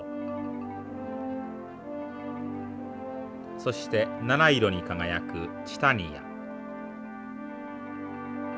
そして七色に輝くチタニヤ。